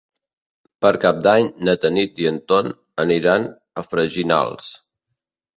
Per Cap d'Any na Tanit i en Ton aniran a Freginals.